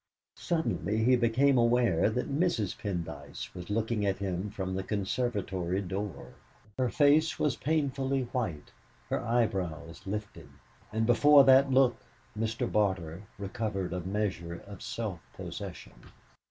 Suddenly he became aware that Mrs. Pendyce was looking at him from the conservatory door. Her face was painfully white, her eyebrows lifted, and before that look Mr. Barter recovered a measure of self possession.